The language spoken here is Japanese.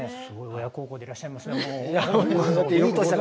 親孝行でいらっしゃいます。